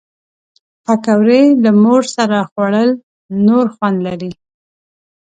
پکورې له مور سره خوړل نور خوند لري